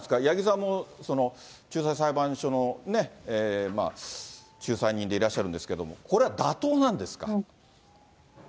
八木さんも仲裁裁判所の仲裁人でいらっしゃるんですけれども、これは妥当なんですか？